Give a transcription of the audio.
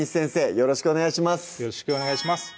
よろしくお願いします